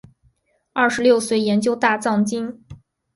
二十六岁研究大藏经。